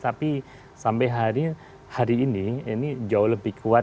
tapi sampai hari ini ini jauh lebih kuat